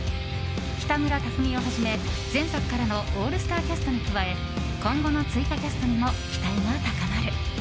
北村匠海をはじめ、前作からのオールスターキャストに加え今後の追加キャストにも期待が高まる。